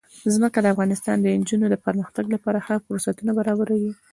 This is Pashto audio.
ځمکه د افغان نجونو د پرمختګ لپاره ښه فرصتونه برابروي.